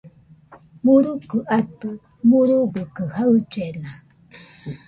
Murukɨ atɨ, murubɨ kaɨ jaɨllena